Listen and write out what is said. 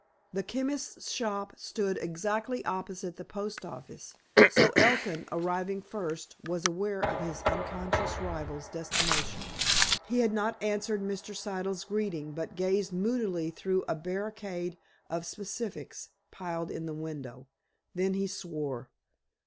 The chemist's shop stood exactly opposite the post office, so Elkin, arriving first, was aware of his unconscious rival's destination. He had not answered Mr. Siddle's greeting, but gazed moodily through a barricade of specifics piled in the window. Then he swore.